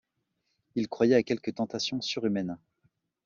Il croyait à quelque tentation surhumaine.